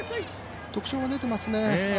特徴が出てますね。